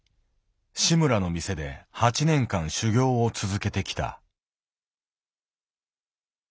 志村の店で８年間修業を続けてきた。